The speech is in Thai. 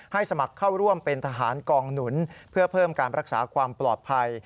สมัครเข้าร่วมเป็นทหารกองหนุนเพื่อเพิ่มการรักษาความปลอดภัย